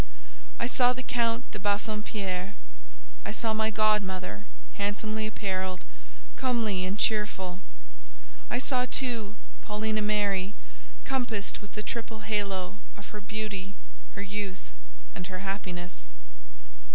I saw the Count de Bassompierre; I saw my godmother, handsomely apparelled, comely and cheerful; I saw, too, Paulina Mary, compassed with the triple halo of her beauty, her youth, and her happiness.